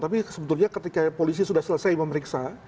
tapi sebetulnya ketika polisi sudah selesai memeriksa